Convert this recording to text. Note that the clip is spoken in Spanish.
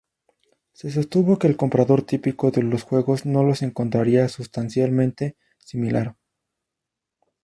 Se sostuvo que el comprador típico de los juegos no los encontraría sustancialmente similar.